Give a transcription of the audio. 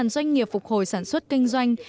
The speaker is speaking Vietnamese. hai mươi một doanh nghiệp phục hồi sản xuất kinh doanh